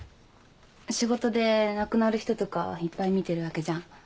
仕事で亡くなる人とかいっぱい見てるわけじゃん。